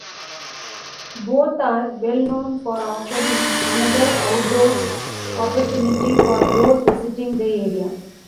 Both are well known for offering another outdoors opportunity for those visiting the area.